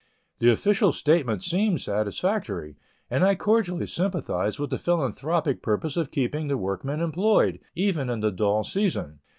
The official statement seemed satisfactory, and I cordially sympathized with the philanthropic purpose of keeping the workmen employed, even in the dull season.